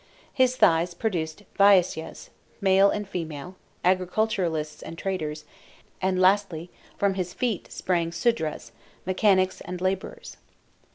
His thighs produced Vaissyas, male and female (agriculturists and traders), and lastly from his feet sprang Sudras (mechanics and laborers).